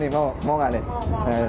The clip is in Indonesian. mau gak nih